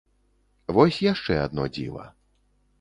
Вось яшчэ адно дзіва.